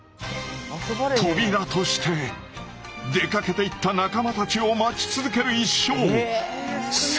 トビラとして出かけていった仲間たちを待ち続ける一生。